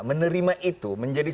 menerima itu menjadi